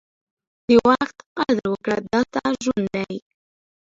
د وخت قدر وکړه، دا ستا ژوند دی.